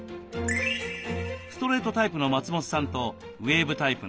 ストレートタイプの松本さんとウエーブタイプの渡部さん。